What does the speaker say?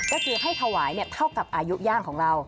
ก็คือให้ถวายเท่ากับอายุย่างของเรา